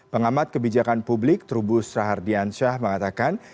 pengamat kebijakan publik trubu strahardian shah mengatakan